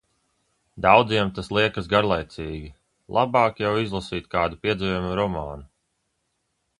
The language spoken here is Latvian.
Daudziem tas liekas garlaicīgi, labāk jau izlasīt kādu piedzīvojumu romānu.